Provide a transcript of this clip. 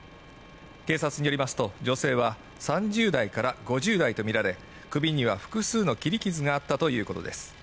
警察によりますと、女性は３０代から５０代とみられ、首には複数の切り傷があったということです。